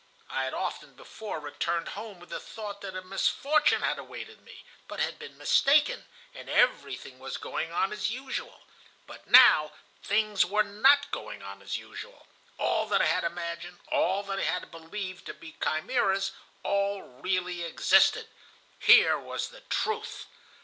I had often before returned home with the thought that a misfortune had awaited me, but had been mistaken, and everything was going on as usual. But now things were not going on as usual. All that I had imagined, all that I believed to be chimeras, all really existed. Here was the truth.